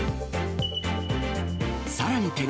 さらに手軽！